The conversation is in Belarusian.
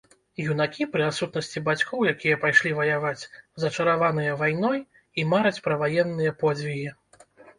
Юнакі, пры адсутнасці бацькоў, якія пайшлі ваяваць, зачараваныя вайной і мараць пра ваенныя подзвігі.